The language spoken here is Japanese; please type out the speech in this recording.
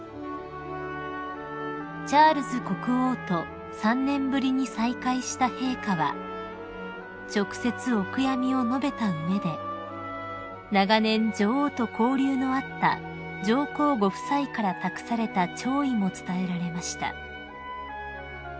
［チャールズ国王と３年ぶりに再会した陛下は直接お悔やみを述べた上で長年女王と交流のあった上皇ご夫妻から託された弔意も伝えられました］